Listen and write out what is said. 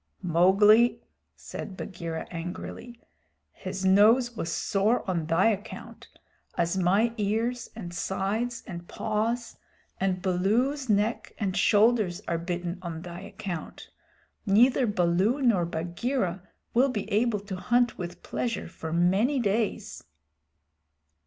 "Mowgli," said Bagheera angrily, "his nose was sore on thy account, as my ears and sides and paws, and Baloo's neck and shoulders are bitten on thy account. Neither Baloo nor Bagheera will be able to hunt with pleasure for many days."